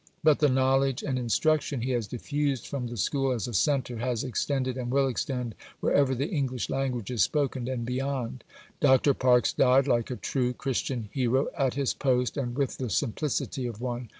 But the knowledge and instruction he has diffused from the School as a centre has extended and will extend wherever the English language is spoken, and beyond. Dr. Parkes died like a true Christian hero "at his post," and with the simplicity of one.